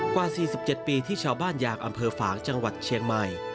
กว่า๔๗ปีที่ชาวบ้านยางอำเภอฝางจังหวัดเชียงใหม่